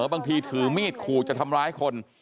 บางทีถือมีดขู่จะทำร้ายคน